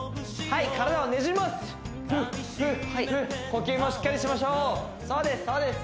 呼吸もしっかりしましょうそうです